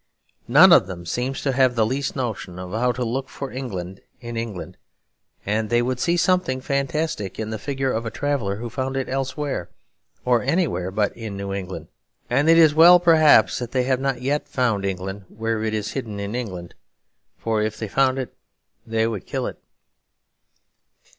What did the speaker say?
None of them seems to have the least notion of how to look for England in England; and they would see something fantastic in the figure of a traveller who found it elsewhere, or anywhere but in New England. And it is well, perhaps, that they have not yet found England where it is hidden in England; for if they found it, they would kill it.